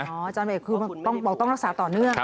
อาจารย์เอกคือบอกต้องรักษาต่อเนื่อง